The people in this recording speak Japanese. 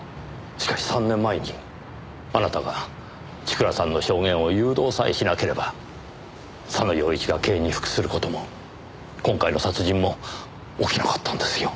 しかし３年前にあなたが千倉さんの証言を誘導さえしなければ佐野陽一が刑に服する事も今回の殺人も起きなかったんですよ。